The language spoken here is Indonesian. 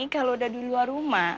kalau udah di luar rumah